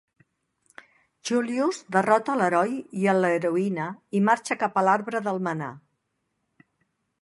Julius derrota a l'heroi i a l'heroïna i marxa cap a l'Arbre del Manà.